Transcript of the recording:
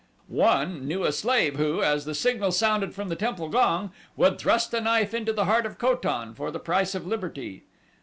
One knew a slave who, as the signal sounded from the temple gong, would thrust a knife into the heart of Ko tan, for the price of liberty.